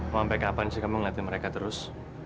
mau sampai kapan sih kamu ngeliatin mereka terus